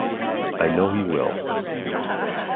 I know he will!